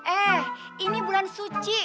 eh ini bulan suci